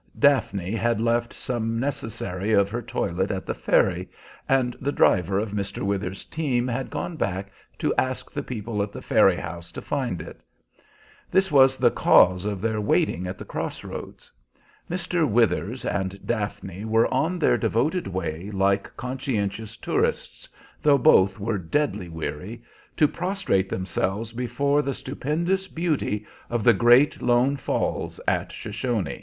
Daphne had left some necessary of her toilet at the ferry, and the driver of Mr. Withers's team had gone back to ask the people at the ferry house to find it. This was the cause of their waiting at the cross roads. Mr. Withers and Daphne were on their devoted way like conscientious tourists, though both were deadly weary, to prostrate themselves before the stupendous beauty of the great lone falls at Shoshone.